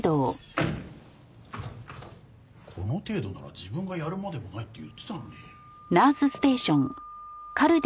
この程度なら自分がやるまでもないって言ってたのに。